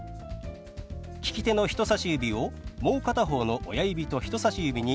利き手の人さし指をもう片方の親指と人さし指に軽く当てます。